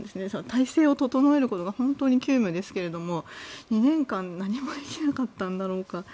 体制を整えることが本当に急務ですけども２年間何もできなかったんだろうか。